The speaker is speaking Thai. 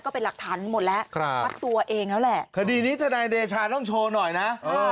ก็เป็นหลักฐานหมดแล้วปรัสตัวเองแล้วแหละ